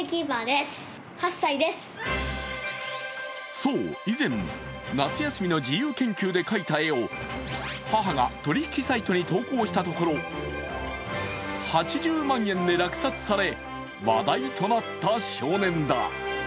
そう、以前、夏休みの自由研究で描いた絵を母が取引サイトに投稿したところ８０万円で落札され話題となった少年だ。